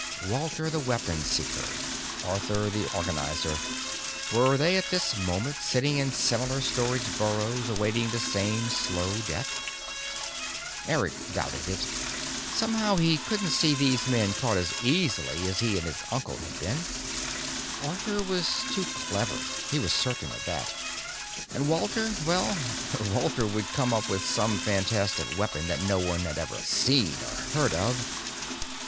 Walter the Weapon Seeker, Arthur the Organizer were they at this moment sitting in similar storage burrows awaiting the same slow death? Eric doubted it. Somehow he couldn't see these men caught as easily as he and his uncle had been. Arthur was too clever, he was certain of that, and Walter, well, Walter would come up with some fantastic weapon that no one had ever seen or heard of....